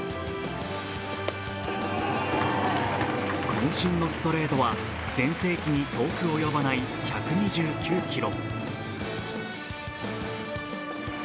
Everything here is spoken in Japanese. こん身のストレートは全盛期に遠く及ばない１２９キロ。